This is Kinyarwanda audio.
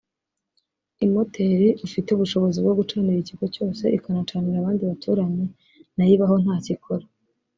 imoteri ufite ubushobozi bwo gucanira ikigo cyose ikanacanira abandi baturanyi nayo ibaho ntacyo ikora